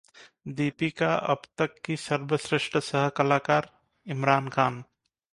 दीपिका अब तक की सर्वश्रेष्ठ सह कलाकार: इमरान खान